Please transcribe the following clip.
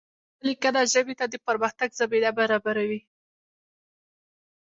سمه لیکنه ژبې ته د پرمختګ زمینه برابروي.